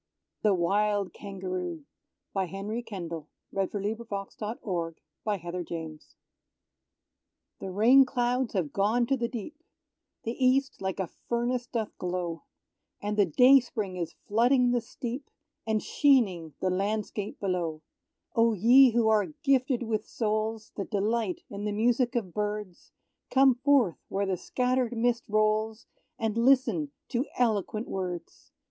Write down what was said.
Peace, O longing, beating heart! Peace, O beating, weary heart! The Wild Kangaroo The rain clouds have gone to the deep The East like a furnace doth glow; And the day spring is flooding the steep, And sheening the landscape below. Oh, ye who are gifted with souls That delight in the music of birds, Come forth where the scattered mist rolls, And listen to eloquent words!